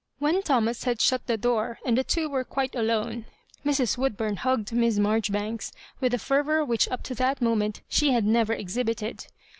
When Thomas had shut the door, and the two were quite alone, Mrs. Woodbum hugged Miss Maijori banks with a fervour which up to that moment she had never exhibited.